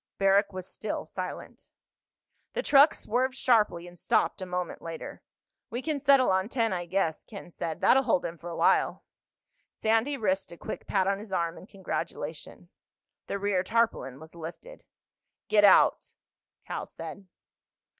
Barrack was still silent. The truck swerved sharply and stopped a moment later. "We can settle on ten, I guess," Ken said. "That'll hold him for a while." Sandy risked a quick pat on his arm in congratulation. The rear tarpaulin was lifted. "Get out," Cal said.